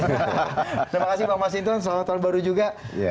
terima kasih bang masinton selamat tahun baru juga